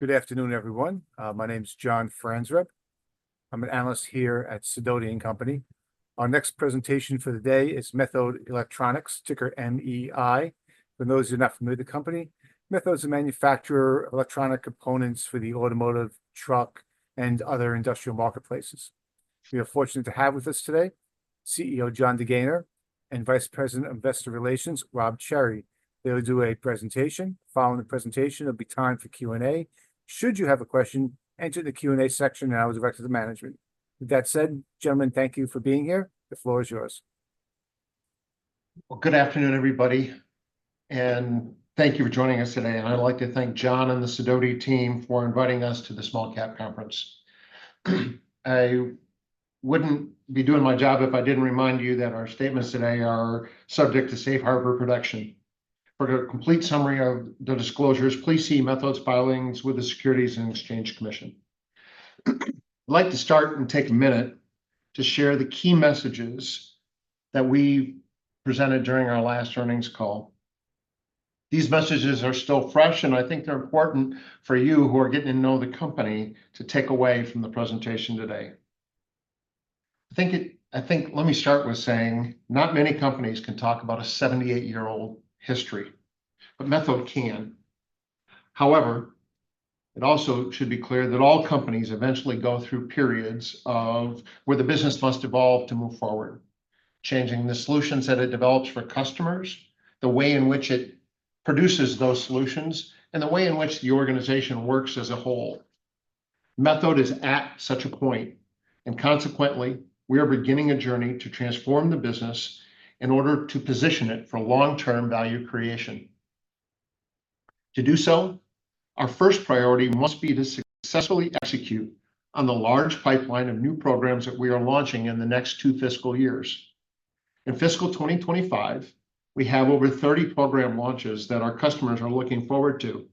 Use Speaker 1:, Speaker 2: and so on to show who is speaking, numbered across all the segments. Speaker 1: Good afternoon, everyone. My name's John Franzreb. I'm an Analyst here at Sidoti & Company. Our next presentation for the day is Methode Electronics, ticker MEI. For those who are not familiar with the company, Methode's a manufacturer of electronic components for the automotive, truck, and other industrial marketplaces. We are fortunate to have with us today CEO Jon DeGaynor and Vice President of Investor Relations, Rob Cherry. They'll do a presentation. Following the presentation, there'll be time for Q&A. Should you have a question, enter the Q&A section and I will direct it to the management. With that said, gentlemen, thank you for being here. The floor is yours.
Speaker 2: Good afternoon, everybody, and thank you for joining us today. I'd like to thank John and the Sidoti team for inviting us to the Small Cap Conference. I wouldn't be doing my job if I didn't remind you that our statements today are subject to safe harbor protection. For a complete summary of the disclosures, please see Methode's filings with the Securities and Exchange Commission. I'd like to start and take a minute to share the key messages that we presented during our last earnings call. These messages are still fresh, and I think they're important for you, who are getting to know the company, to take away from the presentation today. I think, let me start with saying not many companies can talk about a seventy-eight-year-old history, but Methode can. However, it also should be clear that all companies eventually go through periods of where the business must evolve to move forward, changing the solutions that it develops for customers, the way in which it produces those solutions, and the way in which the organization works as a whole. Methode is at such a point, and consequently, we are beginning a journey to transform the business in order to position it for long-term value creation. To do so, our first priority must be to successfully execute on the large pipeline of new programs that we are launching in the next two fiscal years. In fiscal twenty twenty-five, we have over 30 program launches that our customers are looking forward to,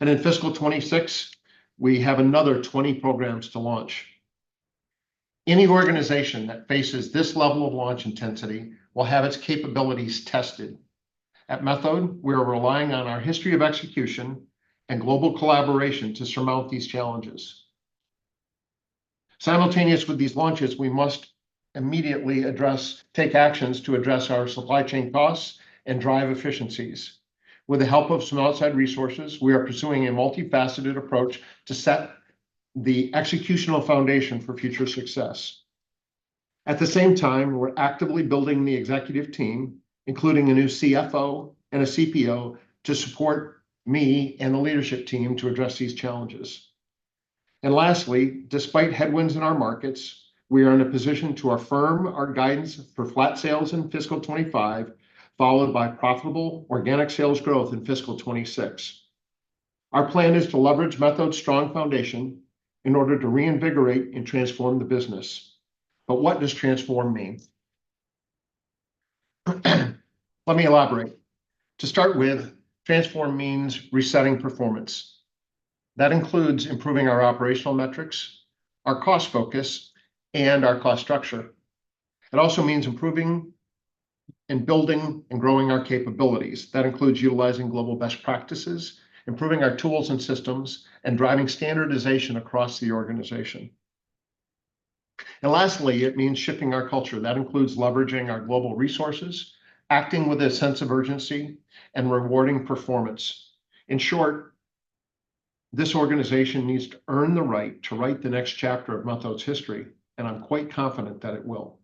Speaker 2: and in fiscal twenty twenty-six, we have another 20 programs to launch. Any organization that faces this level of launch intensity will have its capabilities tested. At Methode, we are relying on our history of execution and global collaboration to surmount these challenges. Simultaneous with these launches, we must immediately address, take actions to address our supply chain costs and drive efficiencies. With the help of some outside resources, we are pursuing a multifaceted approach to set the executional foundation for future success. At the same time, we're actively building the executive team, including a new CFO and a CPO, to support me and the leadership team to address these challenges. And lastly, despite headwinds in our markets, we are in a position to affirm our guidance for flat sales in fiscal 2025, followed by profitable organic sales growth in fiscal 2026. Our plan is to leverage Methode's strong foundation in order to reinvigorate and transform the business. But what does transform mean? Let me elaborate. To start with, transform means resetting performance. That includes improving our operational metrics, our cost focus, and our cost structure. It also means improving and building and growing our capabilities. That includes utilizing global best practices, improving our tools and systems, and driving standardization across the organization. And lastly, it means shifting our culture. That includes leveraging our global resources, acting with a sense of urgency, and rewarding performance. In short, this organization needs to earn the right to write the next chapter of Methode's history, and I'm quite confident that it will.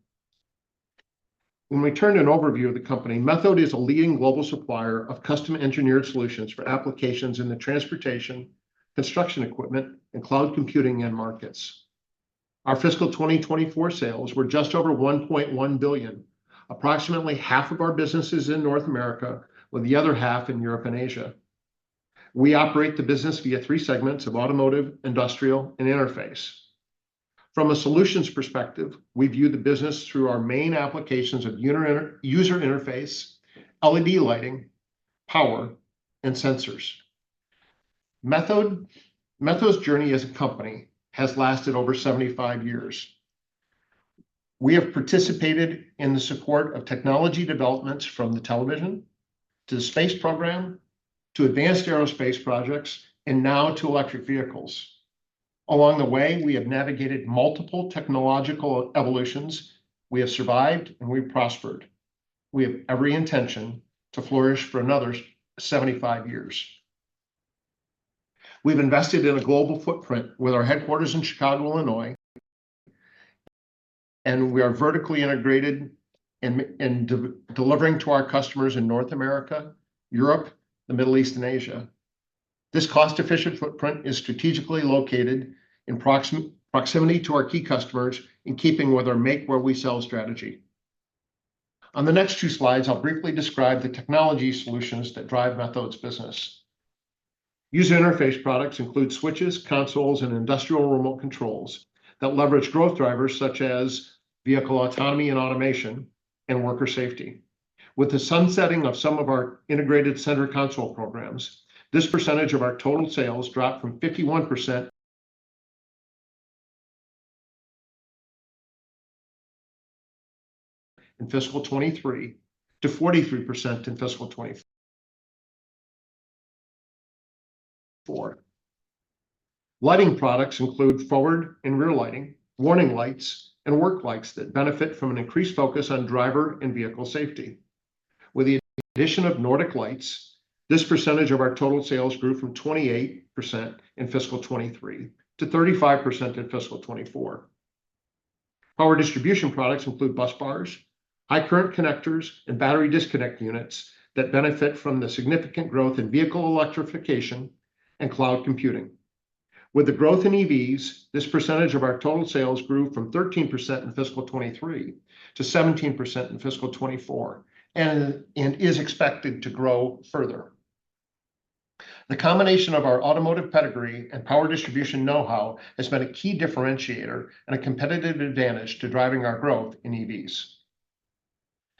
Speaker 2: When we turn to an overview of the company, Methode is a leading global supplier of custom-engineered solutions for applications in the transportation, construction equipment, and cloud computing end markets. Our fiscal 2024 sales were just over $1.1 billion. Approximately half of our business is in North America, with the other half in Europe and Asia. We operate the business via three segments of Automotive, Industrial, and Interface. From a solutions perspective, we view the business through our main applications of human-user interface, LED lighting, power, and sensors. Methode's journey as a company has lasted over seventy-five years. We have participated in the support of technology developments from the television to the space program, to advanced aerospace projects, and now to electric vehicles. Along the way, we have navigated multiple technological evolutions. We have survived, and we've prospered. We have every intention to flourish for another seventy-five years. We've invested in a global footprint with our headquarters in Chicago, Illinois, and we are vertically integrated in delivering to our customers in North America, Europe, the Middle East, and Asia. This cost-efficient footprint is strategically located in proximity to our key customers, in keeping with our make-where-we-sell strategy. On the next two slides, I'll briefly describe the technology solutions that drive Methode's business. User interface products include switches, consoles, and industrial remote controls that leverage growth drivers such as vehicle autonomy and automation, and worker safety. With the sunsetting of some of our integrated center console programs, this percentage of our total sales dropped from 51% in fiscal 2023 to 43% in fiscal 2024. Lighting products include forward and rear lighting, warning lights, and work lights that benefit from an increased focus on driver and vehicle safety. With the addition of Nordic Lights, this percentage of our total sales grew from 28% in fiscal 2023 to 35% in fiscal 2024. Power distribution products include busbars, high current connectors, and battery disconnect units that benefit from the significant growth in vehicle electrification and cloud computing. With the growth in EVs, this percentage of our total sales grew from 13% in fiscal 2023 to 17% in fiscal 2024, and is expected to grow further. The combination of our automotive pedigree and power distribution know-how has been a key differentiator and a competitive advantage to driving our growth in EVs.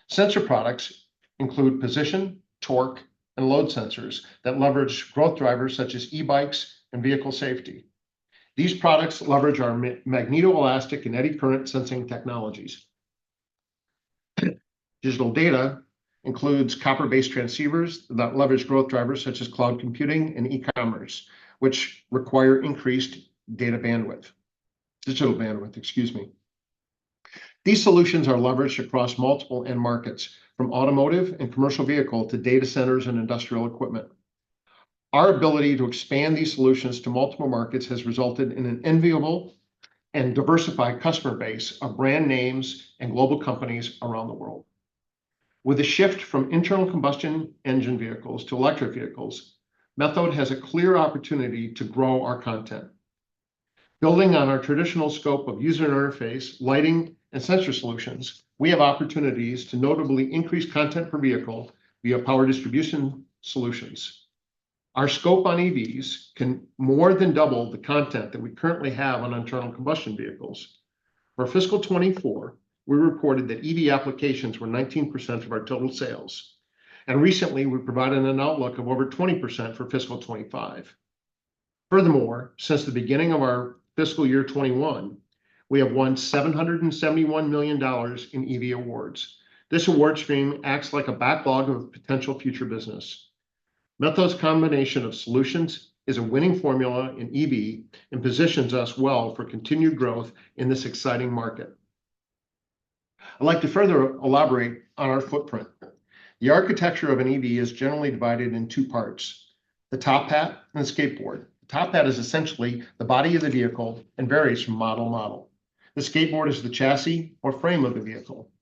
Speaker 2: Sensor products include position, torque, and load sensors that leverage growth drivers such as e-bikes and vehicle safety. These products leverage our magnetoelastic and eddy current sensing technologies. Digital data includes copper-based transceivers that leverage growth drivers such as cloud computing and e-commerce, which require increased data bandwidth. Digital bandwidth, excuse me. These solutions are leveraged across multiple end markets, from automotive and commercial vehicle to data centers and industrial equipment. Our ability to expand these solutions to multiple markets has resulted in an enviable and diversified customer base of brand names and global companies around the world. With a shift from internal combustion engine vehicles to electric vehicles, Methode has a clear opportunity to grow our content. Building on our traditional scope of user interface, lighting, and sensor solutions, we have opportunities to notably increase content per vehicle via power distribution solutions. Our scope on EVs can more than double the content that we currently have on internal combustion vehicles. For fiscal 2024, we reported that EV applications were 19% of our total sales, and recently we provided an outlook of over 20% for fiscal 2025. Furthermore, since the beginning of our fiscal year 2021, we have won $771 million in EV awards. This award stream acts like a backlog of potential future business. Methode's combination of solutions is a winning formula in EV, and positions us well for continued growth in this exciting market. I'd like to further elaborate on our footprint. The architecture of an EV is generally divided in two parts: the top hat and the skateboard. The top hat is essentially the body of the vehicle and varies from model to model. The skateboard is the chassis or frame of the vehicle.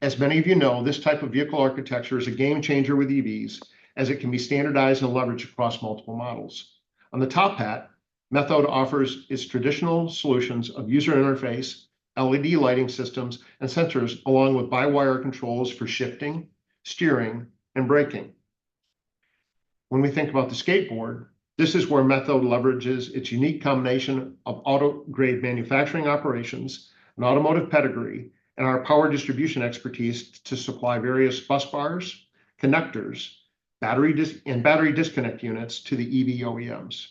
Speaker 2: As many of you know, this type of vehicle architecture is a game changer with EVs, as it can be standardized and leveraged across multiple models. On the top hat, Methode offers its traditional solutions of user interface, LED lighting systems, and sensors, along with by-wire controls for shifting, steering, and braking. When we think about the skateboard, this is where Methode leverages its unique combination of auto-grade manufacturing operations, and automotive pedigree, and our power distribution expertise to supply various busbars, connectors, battery disconnect units to the EV OEMs.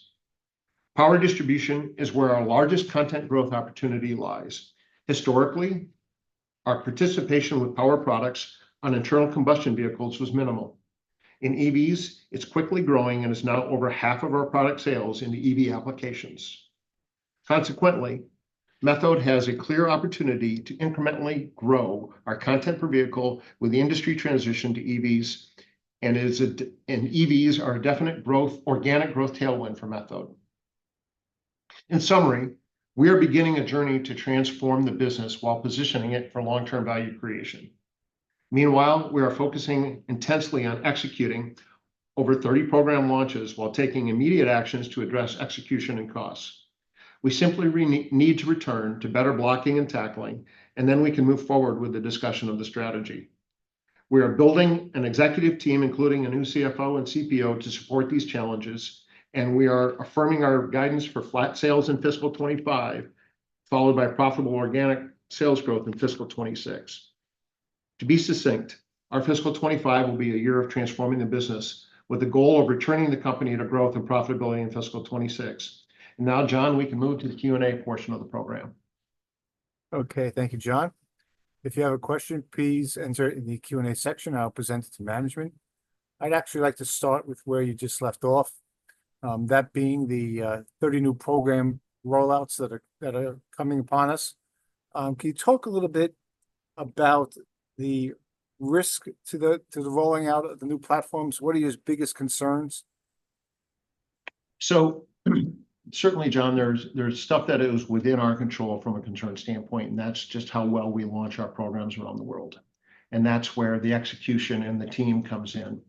Speaker 2: Power distribution is where our largest content growth opportunity lies. Historically, our participation with power products on internal combustion vehicles was minimal. In EVs, it's quickly growing and is now over half of our product sales into EV applications. Consequently, Methode has a clear opportunity to incrementally grow our content per vehicle with the industry transition to EVs, and EVs are a definite growth, organic growth tailwind for Methode. In summary, we are beginning a journey to transform the business while positioning it for long-term value creation. Meanwhile, we are focusing intensely on executing over thirty program launches while taking immediate actions to address execution and costs. We simply need to return to better blocking and tackling, and then we can move forward with the discussion of the strategy. We are building an executive team, including a new CFO and CPO, to support these challenges, and we are affirming our guidance for flat sales in fiscal 2025, followed by profitable organic sales growth in fiscal 2026. To be succinct, our fiscal 2025 will be a year of transforming the business with the goal of returning the company to growth and profitability in fiscal 2026. Now, John, we can move to the Q&A portion of the program.
Speaker 1: Okay, thank you, Jon. If you have a question, please enter it in the Q&A section, I'll present it to management. I'd actually like to start with where you just left off, that being the thirty new program rollouts that are coming upon us. Can you talk a little bit about the risk to the rolling out of the new platforms? What are your biggest concerns?
Speaker 2: So certainly, John, there's stuff that is within our control from a concern standpoint, and that's just how well we launch our programs around the world, and that's where the execution and the team comes in.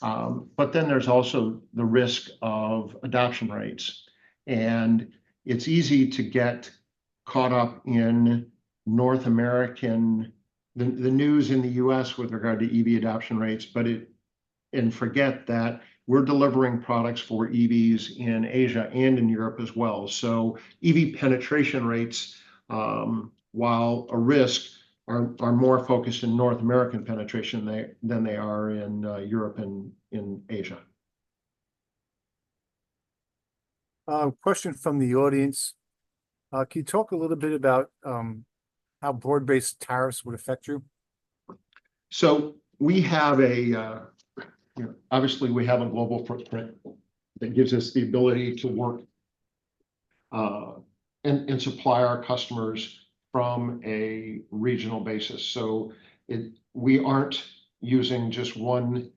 Speaker 2: But then there's also the risk of adoption rates, and it's easy to get caught up in North American, the news in the U.S. with regard to EV adoption rates, but forget that we're delivering products for EVs in Asia and in Europe as well. So EV penetration rates, while a risk, are more focused in North American penetration than they are in Europe and in Asia.
Speaker 1: Question from the audience: Can you talk a little bit about how broad-based tariffs would affect you?
Speaker 2: So we have a, you know, obviously we have a global footprint that gives us the ability to work, and supply our customers from a regional basis. We aren't using just one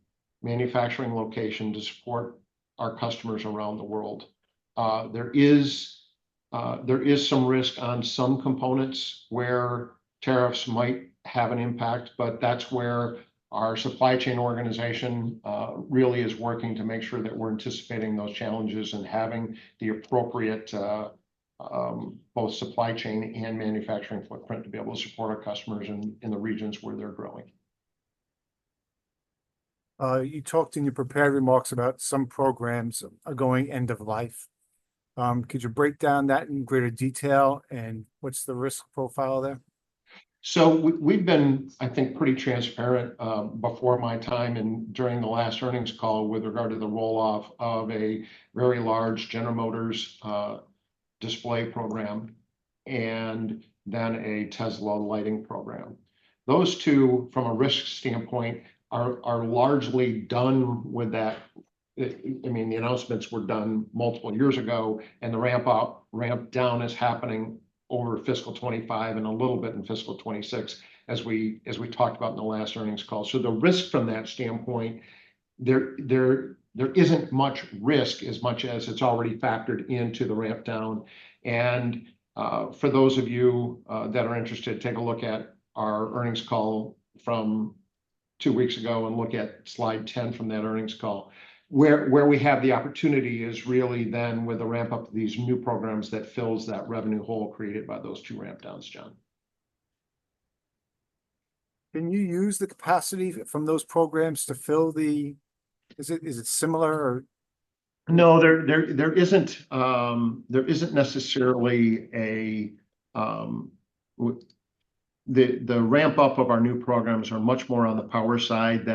Speaker 2: manufacturing location to support our customers around the world. There is some risk on some components where tariffs might have an impact, but that's where our supply chain organization really is working to make sure that we're anticipating those challenges, and having the appropriate, both supply chain and manufacturing footprint to be able to support our customers in the regions where they're growing.
Speaker 1: You talked in your prepared remarks about some programs are going end of life. Could you break down that in greater detail, and what's the risk profile there?
Speaker 2: We've been, I think, pretty transparent, before my time and during the last earnings call with regard to the roll-off of a very large General Motors display program, and then a Tesla lighting program. Those two, from a risk standpoint, are largely done with that. I mean, the announcements were done multiple years ago, and the ramp up, ramp down is happening over fiscal 2025 and a little bit in fiscal 2026, as we talked about in the last earnings call. The risk from that standpoint, there isn't much risk as much as it's already factored into the ramp down. For those of you that are interested, take a look at our earnings call from two weeks ago, and look at slide 10 from that earnings call. Where we have the opportunity is really then with the ramp-up of these new programs that fills that revenue hole created by those two ramp downs, John.
Speaker 1: Can you use the capacity from those programs to fill the... Is it similar or?
Speaker 2: No, there isn't necessarily the ramp up of our new programs are much more on the power side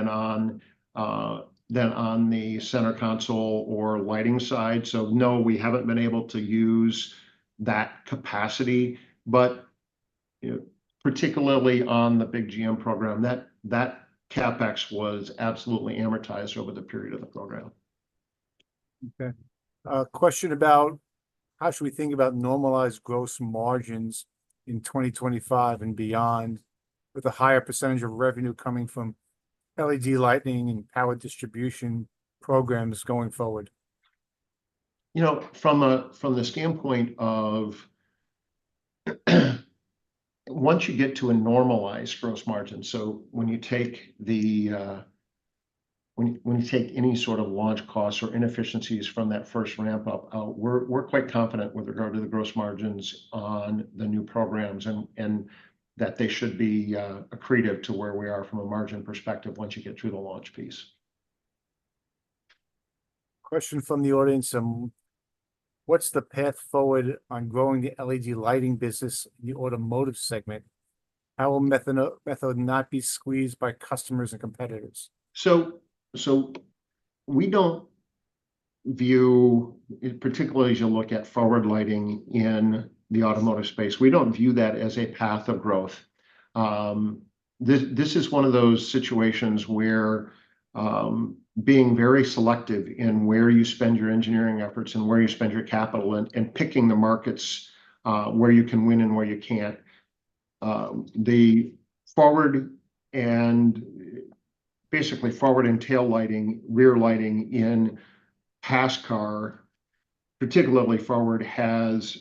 Speaker 2: than on the center console or lighting side. So no, we haven't been able to use that capacity. But, you know, particularly on the big GM program, that CapEx was absolutely amortized over the period of the program.
Speaker 1: Okay. A question about how should we think about normalized gross margins in 2025 and beyond, with a higher percentage of revenue coming from LED lighting and power distribution programs going forward?
Speaker 2: You know, from the standpoint of, once you get to a normalized gross margin, so when you take any sort of launch costs or inefficiencies from that first ramp up, we're quite confident with regard to the gross margins on the new programs, and that they should be accretive to where we are from a margin perspective once you get through the launch piece.
Speaker 1: Question from the audience: What's the path forward on growing the LED lighting business in the automotive segment? How will Methode not be squeezed by customers and competitors?
Speaker 2: We don't view, particularly as you look at forward lighting in the automotive space, that as a path of growth. This is one of those situations where, being very selective in where you spend your engineering efforts and where you spend your capital and picking the markets where you can win and where you can't. The forward and tail lighting, rear lighting in passenger car, particularly forward, has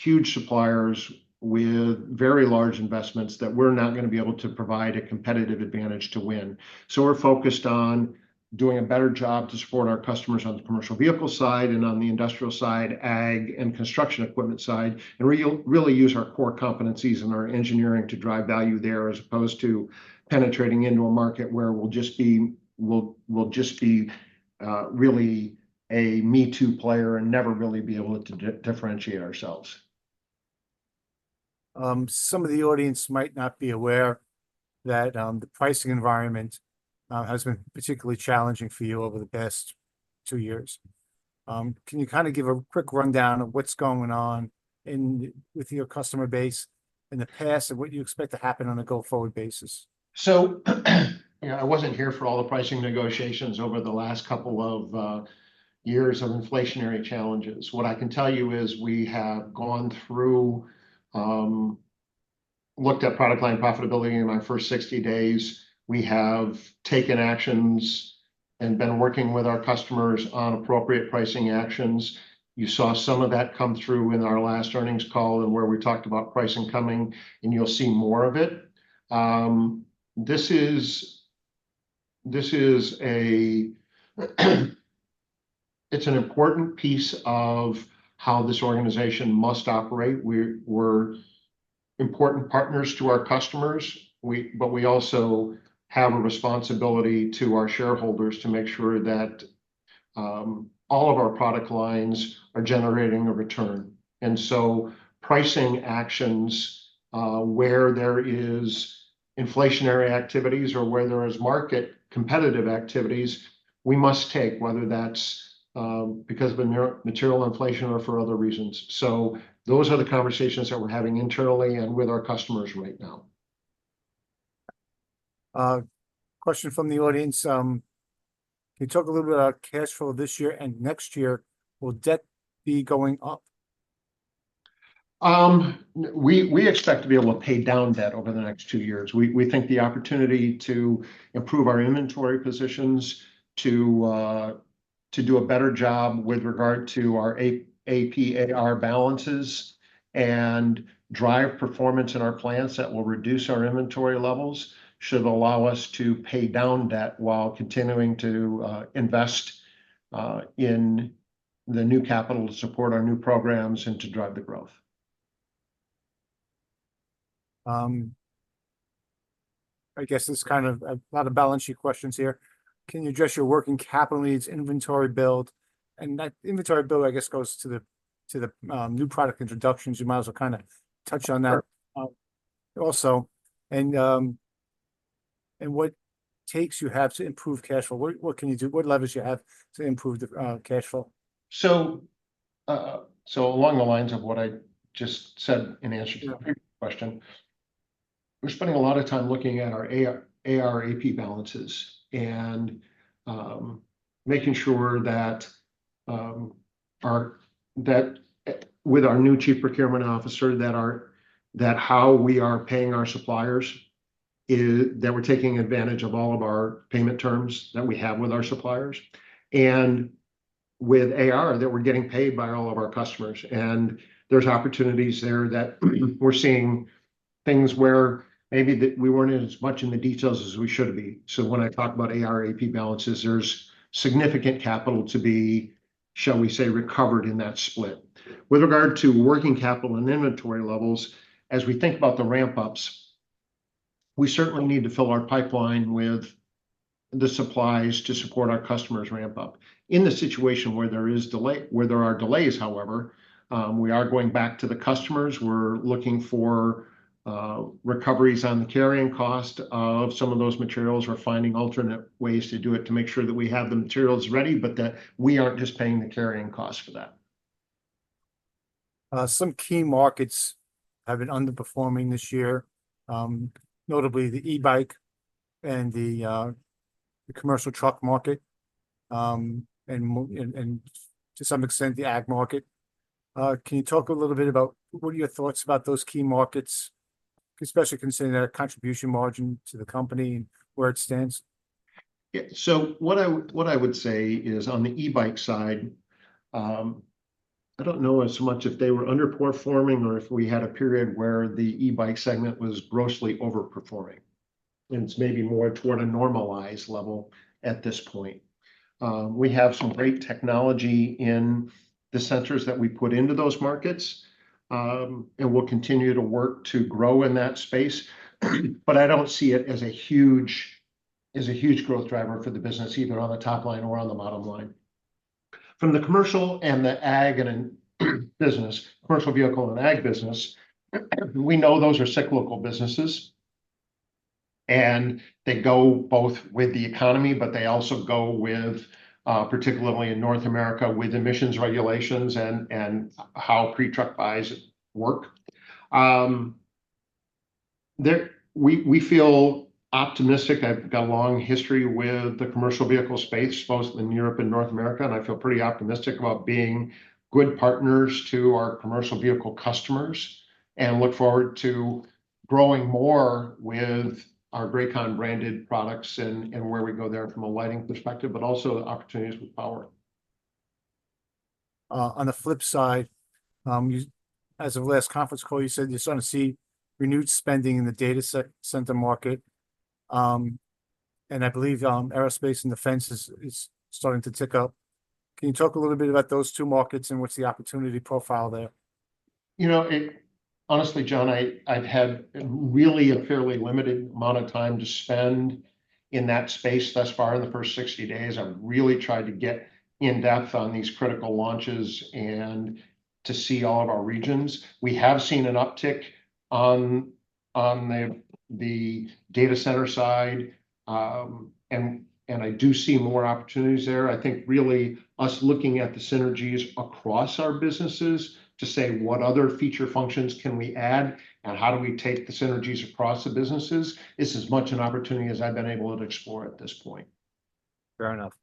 Speaker 2: huge suppliers with very large investments that we're not gonna be able to provide a competitive advantage to win. So we're focused on doing a better job to support our customers on the commercial vehicle side and on the industrial side, ag and construction equipment side, and really use our core competencies and our engineering to drive value there, as opposed to penetrating into a market where we'll just be, really a me-too player and never really be able to differentiate ourselves.
Speaker 1: Some of the audience might not be aware that the pricing environment has been particularly challenging for you over the past two years. Can you kind of give a quick rundown of what's going on with your customer base in the past and what you expect to happen on a go-forward basis?
Speaker 2: You know, I wasn't here for all the pricing negotiations over the last couple of years of inflationary challenges. What I can tell you is we have gone through, looked at product line profitability in my first 60 days. We have taken actions and been working with our customers on appropriate pricing actions. You saw some of that come through in our last earnings call, where we talked about pricing coming, and you'll see more of it. This is an important piece of how this organization must operate. We're important partners to our customers, but we also have a responsibility to our shareholders to make sure that all of our product lines are generating a return. Pricing actions where there is... inflationary activities or where there is market competitive activities, we must take, whether that's, because of the material inflation or for other reasons. So those are the conversations that we're having internally and with our customers right now.
Speaker 1: Question from the audience, can you talk a little bit about cash flow this year and next year? Will debt be going up?
Speaker 2: We expect to be able to pay down debt over the next two years. We think the opportunity to improve our inventory positions to do a better job with regard to our AP, AR balances, and drive performance in our plans that will reduce our inventory levels, should allow us to pay down debt while continuing to invest in the new capital to support our new programs and to drive the growth.
Speaker 1: I guess this is kind of a lot of balance sheet questions here. Can you address your working capital needs, inventory build? And that inventory build, I guess, goes to the new product introductions. You might as well kind of touch on that-
Speaker 2: Sure.
Speaker 1: Also. What takes you have to improve cash flow? What can you do, what levers you have to improve the cash flow?
Speaker 2: Along the lines of what I just said in answer to your question, we're spending a lot of time looking at our AR, AP balances. And making sure that with our new Chief Procurement Officer, that how we are paying our suppliers is that we're taking advantage of all of our payment terms that we have with our suppliers, and with AR, that we're getting paid by all of our customers. And there's opportunities there that we're seeing things where maybe that we weren't as much in the details as we should be. When I talk about AR, AP balances, there's significant capital to be, shall we say, recovered in that split. With regard to working capital and inventory levels, as we think about the ramp-ups, we certainly need to fill our pipeline with the supplies to support our customers ramp up. In the situation where there are delays, however, we are going back to the customers. We're looking for recoveries on the carrying cost of some of those materials. We're finding alternate ways to do it, to make sure that we have the materials ready, but that we aren't just paying the carrying cost for that.
Speaker 1: Some key markets have been underperforming this year, notably the e-bike and the commercial truck market, and to some extent, the ag market. Can you talk a little bit about what are your thoughts about those key markets, especially considering their contribution margin to the company and where it stands?
Speaker 2: Yeah, so what I would say is, on the e-bike side, I don't know as much if they were underperforming or if we had a period where the e-bike segment was grossly overperforming, and it's maybe more toward a normalized level at this point. We have some great technology in the centers that we put into those markets, and we'll continue to work to grow in that space. But I don't see it as a huge, as a huge growth driver for the business, either on the top line or on the bottom line. From the commercial and the ag and business, commercial vehicle and ag business, we know those are cyclical businesses, and they go both with the economy, but they also go with, particularly in North America, with emissions regulations and how pre-truck buys work. We feel optimistic. I've got a long history with the commercial vehicle space, both in Europe and North America, and I feel pretty optimistic about being good partners to our commercial vehicle customers, and look forward to growing more with our Grakon-branded products and where we go there from a lighting perspective, but also the opportunities with power.
Speaker 1: On the flip side, you, as of last conference call, you said you're starting to see renewed spending in the data center market. And I believe aerospace and defense is starting to tick up. Can you talk a little bit about those two markets, and what's the opportunity profile there?
Speaker 2: You know, honestly, John, I've had really a fairly limited amount of time to spend in that space thus far. In the first sixty days, I've really tried to get in depth on these critical launches and to see all of our regions. We have seen an uptick on the data center side. I do see more opportunities there. I think, really, us looking at the synergies across our businesses to say, "What other feature functions can we add, and how do we take the synergies across the businesses?" is as much an opportunity as I've been able to explore at this point.
Speaker 1: Fair enough.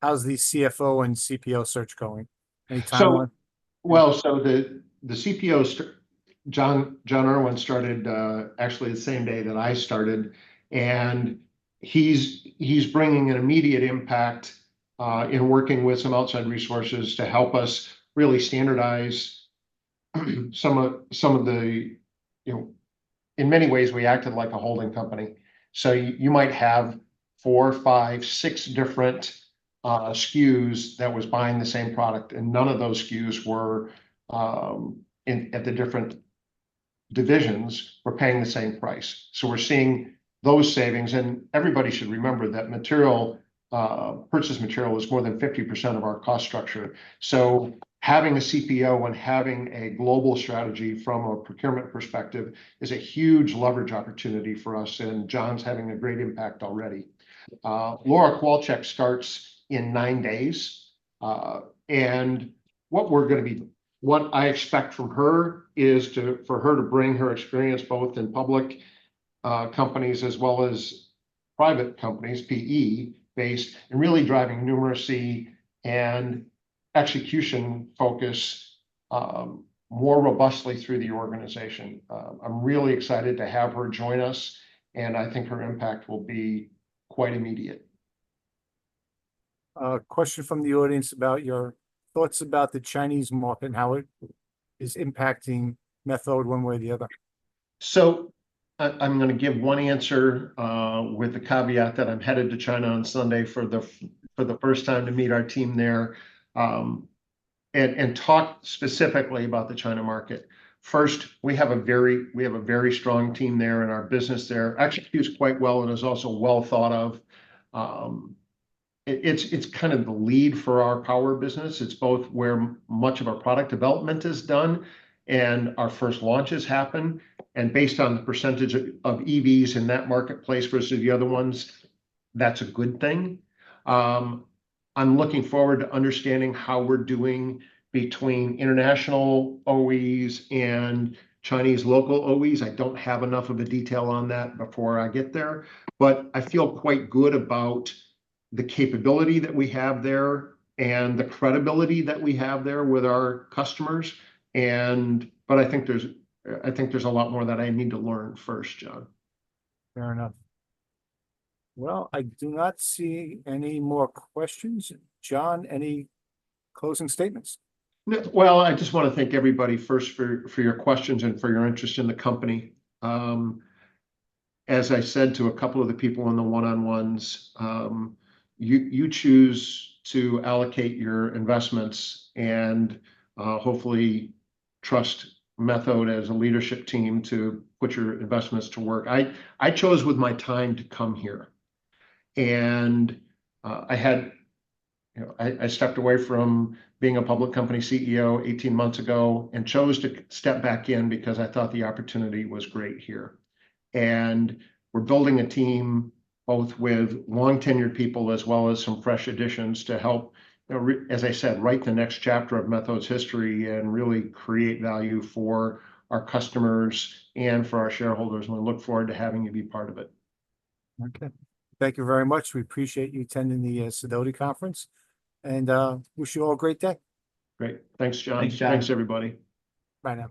Speaker 1: How's the CFO and CPO search going, any timeline?
Speaker 2: The CPO, John Irwin started actually the same day that I started, and he's bringing an immediate impact in working with some outside resources to help us really standardize some of the. You know, in many ways, we acted like a holding company, so you might have four, five, six different SKUs that was buying the same product, and none of those SKUs in the different divisions were paying the same price. So we're seeing those savings, and everybody should remember that purchase material is more than 50% of our cost structure. So having a CPO and having a global strategy from a procurement perspective is a huge leverage opportunity for us, and John's having a great impact already. Laura Kowalczyk starts in nine days, and what I expect from her is for her to bring her experience, both in public companies as well as private companies, PE-based, and really driving numeracy and execution focus more robustly through the organization. I'm really excited to have her join us, and I think her impact will be quite immediate.
Speaker 1: A question from the audience about your thoughts about the Chinese market and how it is impacting Methode one way or the other.
Speaker 2: I'm gonna give one answer with the caveat that I'm headed to China on Sunday for the first time to meet our team there and talk specifically about the China market. First, we have a very strong team there, and our business there executes quite well and is also well thought of. It's kind of the lead for our power business. It's both where much of our product development is done and our first launches happen, and based on the percentage of EVs in that marketplace versus the other ones, that's a good thing. I'm looking forward to understanding how we're doing between international OEs and Chinese local OEs. I don't have enough of the detail on that before I get there, but I feel quite good about the capability that we have there and the credibility that we have there with our customers, and... but I think there's a lot more that I need to learn first, John.
Speaker 1: Fair enough. Well, I do not see any more questions. Jon, any closing statements?
Speaker 2: I just wanna thank everybody first for your questions and for your interest in the company. As I said to a couple of the people on the one-on-ones, you choose to allocate your investments, and hopefully trust Methode as a leadership team to put your investments to work. I chose with my time to come here, and You know, I stepped away from being a public company CEO 18 months ago and chose to step back in because I thought the opportunity was great here. We're building a team, both with long-tenured people as well as some fresh additions, to help, as I said, write the next chapter of Methode's history and really create value for our customers and for our shareholders, and I look forward to having you be part of it.
Speaker 1: Okay. Thank you very much. We appreciate you attending the Sidoti conference, and wish you all a great day.
Speaker 2: Great. Thanks, John.
Speaker 3: Thanks, John.
Speaker 2: Thanks, everybody.
Speaker 1: Bye now.